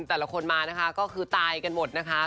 แต่ละคนมานะคะก็คือตายกันหมดนะคะ